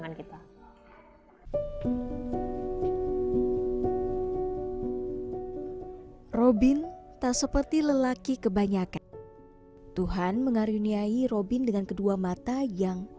maka indera perabahan ini akan menjadi kekuatan